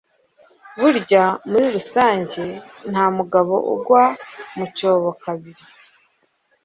burya muri rusanjye ntamugabo ugwa mucyobo kabiri